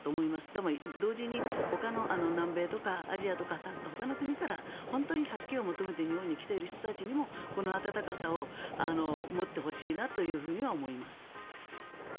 でも、同時にほかの南米とかアジアとかほかの国から助けを求めて日本に来ている人たちにもこの温かさを持ってほしいなというふうには思います。